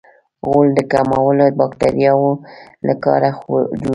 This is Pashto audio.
غول د کولمو باکتریاوو له کاره جوړېږي.